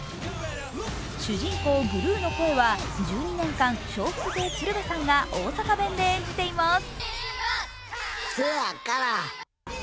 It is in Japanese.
主人公・グルーの声は１２年間、笑福亭鶴瓶さんが大阪弁で演じています。